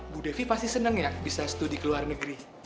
bu devi pasti senang ya bisa studi ke luar negeri